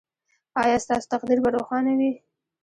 ایا ستاسو تقدیر به روښانه وي؟